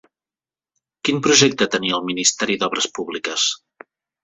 Quin projecte tenia el Ministeri d'Obres Públiques?